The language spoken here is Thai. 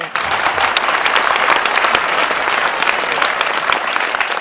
ขอบคุณครู